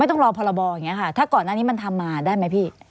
ต้องรอพรบอย่างนี้ค่ะถ้าก่อนหน้านี้มันทำมาได้ไหมพี่